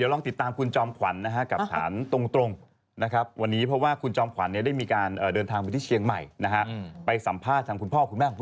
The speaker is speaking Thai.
พ่อคุณแม่ของพุธศิษย์หายมาเรียบร้อยแล้ว